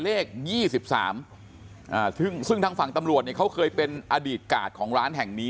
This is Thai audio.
เลข๒๓ซึ่งทางฝั่งตำรวจเนี่ยเขาเคยเป็นอดีตกาดของร้านแห่งนี้